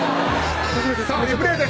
リプレイです。